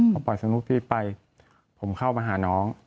พอปล่อยสนุกพี่ไปผมเข้ามาหาน้อง